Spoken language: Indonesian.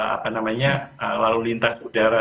apa namanya lalu lintas udara